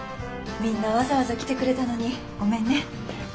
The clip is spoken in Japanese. みんなわざわざ来てくれたのにごめんね。